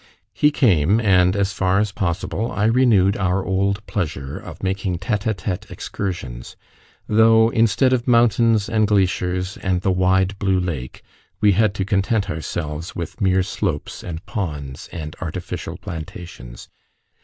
He came, and as far as possible, I renewed our old pleasure of making tete a tete excursions, though, instead of mountains and glacers and the wide blue lake, we had to content ourselves with mere slopes and ponds and artificial plantations.